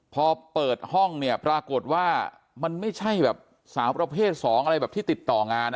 พอเปิดห้องเนี่ยปรากฏว่ามันไม่ใช่แบบสาวประเภท๒อะไรแบบที่ติดต่องาน